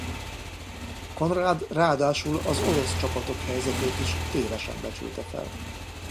Conrad ráadásul az orosz csapatok helyzetét is tévesen becsülte fel.